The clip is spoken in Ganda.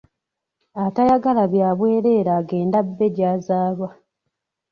Atayagala bya bwereere agende abbe gy’azaalwa.